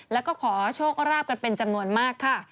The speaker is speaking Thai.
แล้วก็ขอโชคราบกันเป็นจำนวนมากค่ะ